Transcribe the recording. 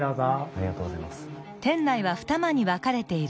ありがとうございます。